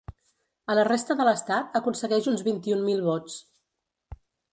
A la resta de l’estat aconsegueix uns vint-i-un mil vots.